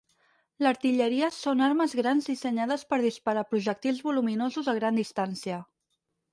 L'"artilleria" són armes grans dissenyades per disparar projectils voluminosos a gran distància.